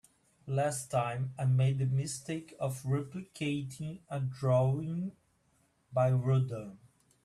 Last time, I made the mistake of replicating a drawing by Rodin.